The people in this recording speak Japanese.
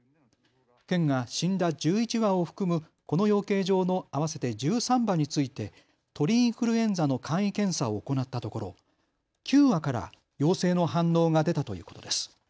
県が死んだ１１羽を含むこの養鶏場の合わせて１３羽について鳥インフルエンザの簡易検査を行ったところ、９羽から陽性の反応が出たということです。